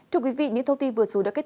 cảm ơn các bạn đã theo dõi và hẹn gặp lại